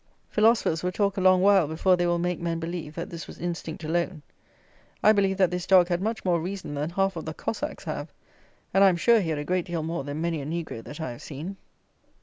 Philosophers will talk a long while before they will make men believe, that this was instinct alone. I believe that this dog had much more reason than half of the Cossacks have; and I am sure he had a great deal more than many a Negro that I have seen.